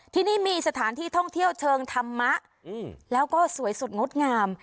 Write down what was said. ที่นี่มีสถานที่ท่องเที่ยวเชิงธรรมะแล้วก็สวยสุดงดงาม